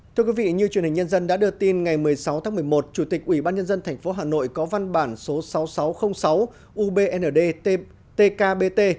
thưa quý vị như truyền hình nhân dân đã đưa tin ngày một mươi sáu tháng một mươi một chủ tịch ubnd tp hà nội có văn bản số sáu nghìn sáu trăm linh sáu ubnd tkbt